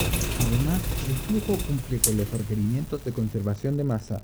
Además, el flujo cumple con los requerimientos de conservación de masa.